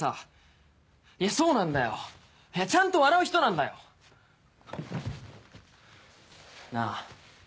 いやそうなんだよ。ちゃんと笑う人なんだよ。なあ。